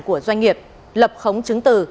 của doanh nghiệp lập khống chứng từ